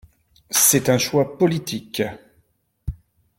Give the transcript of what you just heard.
C’est un choix politique.